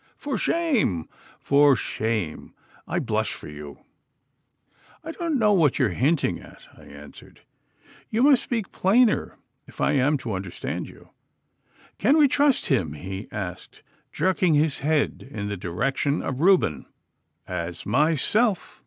For shame! For shame! I blush for you!' 'I don't know what you are hinting at,' I answered. 'You must speak plainer if I am to understand you.' 'Can we trust him?' he asked, jerking his head in the direction of Reuben. 'As myself.